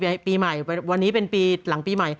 ปีใหม่วันนี้เป็นปีหลังปีใหม่